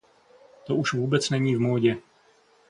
To už vůbec není v módě!